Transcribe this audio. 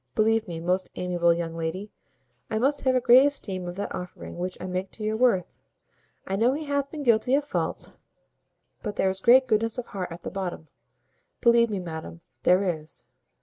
Believe me, most amiable young lady, I must have a great esteem of that offering which I make to your worth. I know he hath been guilty of faults; but there is great goodness of heart at the bottom. Believe me, madam, there is."